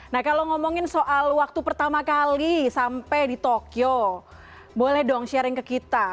nah kalau ngomongin soal waktu pertama kali sampai di tokyo boleh dong sharing ke kita